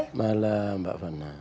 selamat malam mbak rivana